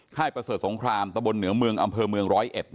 ค่ายประเสริฐสงครามตะบลเหนือเมืองอำเภอเมือง๑๐๑